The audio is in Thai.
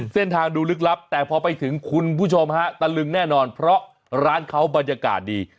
เส้นทางดูลึกลับแต่พอไปถึงคุณผู้ชมฮะตะลึงแน่นอนเพราะร้านเขาบรรยากาศดี